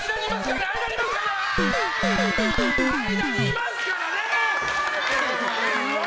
間にいますからね！